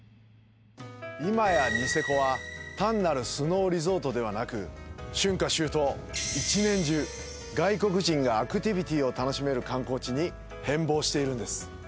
今や、ニセコは単なるスノーリゾートではなく春夏秋冬、１年中外国人がアクティビティを楽しめる観光地に変貌しているんです。